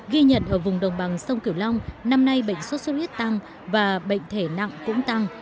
ghi nhận ở vùng đồng bằng sông cửu long năm nay bệnh sốt xuất huyết tăng và bệnh thể nặng cũng tăng